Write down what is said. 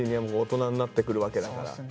Ｊｒ．も大人になってくるわけだから。